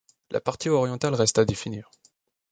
La partie orientale reste à définir.